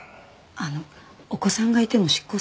あのお子さんがいても執行するんですか？